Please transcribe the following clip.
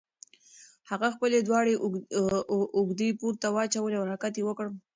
هغه خپلې دواړه اوږې پورته واچولې او حرکت یې وکړ.